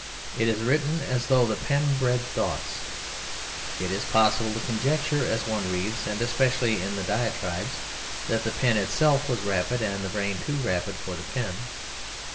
It is written as though the pen bred thoughts. It is possible to conjecture as one reads, and especially in the diatribes, that the pen itself was rapid and the brain too rapid for the pen.